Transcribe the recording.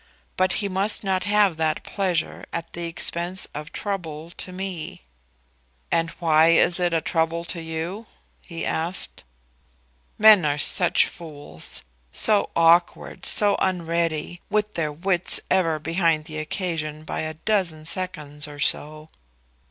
But he must not have that pleasure at the expense of trouble to me." "And why is it a trouble to you?" he asked. Men are such fools; so awkward, so unready, with their wits ever behind the occasion by a dozen seconds or so!